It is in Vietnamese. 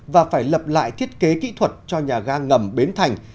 và phải lập lại thiết kế kỹ thuật cho nhà ga ngầm bến thành